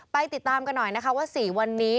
ติดตามกันหน่อยนะคะว่า๔วันนี้